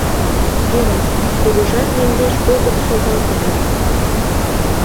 Йӧра, кугыжам мӧҥгеш огыт шогалте гын.